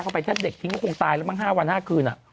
จะไปเจ้าเด็กทรงตายแล้ววันห้าคืนอะ